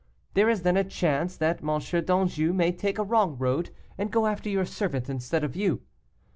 There is then a chance that M. d'Anjou may take a wrong road, and go after your servant instead of you.